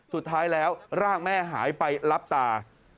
สุดท้ายแล้วร่างแม่หายไปรับตา